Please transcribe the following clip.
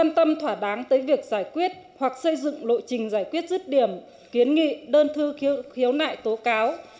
tâm thỏa đáng tới việc giải quyết hoặc xây dựng lộ trình giải quyết rứt điểm kiến nghị đơn thư khiếu nại tố cáo